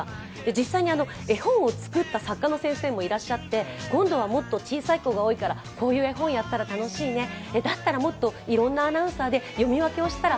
実際に、絵本を作った作家の先生もいらっしゃって今度はもっと小さい子が多いから、こういう絵本をやったら楽しいね、だったらもっといろんなアナウンサーで読み分けをしたら